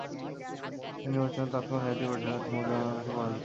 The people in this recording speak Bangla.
কিন্তু নির্বাচনে তৎকালীন জাতীয় পার্টির প্রার্থী মওদুদ আহমদের কাছে পরাজিত হন।